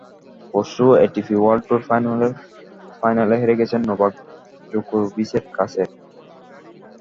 পরশু ATP world tour ফাইনালসের ফাইনালে হেরে গেছেন নোভাক জোকোভিচের কাছে।